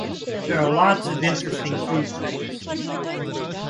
There are lots of interesting fruit trees.